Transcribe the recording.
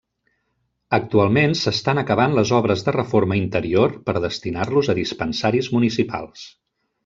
Actualment s'estan acabant les obres de reforma interior per destinar-los a dispensaris municipals.